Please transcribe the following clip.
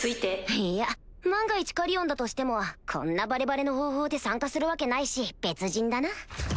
いや万が一カリオンだとしてもこんなバレバレの方法で参加するわけないし別人だな